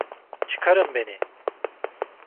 Çıkarın beni!